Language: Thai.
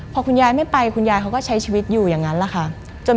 พอคุณยายไม่ไปคุณยายเขาก็ใช้ชีวิตอยู่อย่างนั้นแหละค่ะ